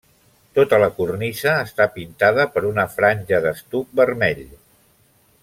Tota la cornisa està pintada per una franja d'estuc vermell.